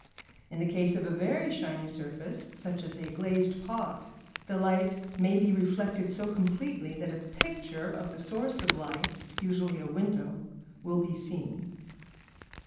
In the case of a very shiny surface, such as a glazed pot, the light may be reflected so completely that a picture of the source of light, usually a window, will be seen.